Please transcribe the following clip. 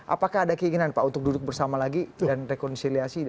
apakah ada keinginan pak untuk duduk bersama lagi dan rekonsiliasi